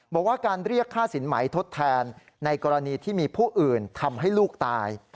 บอกว่าการเรียกค่าสินไหมทดแทนในกรณีที่มีผู้อื่นทำให้ลูกตาย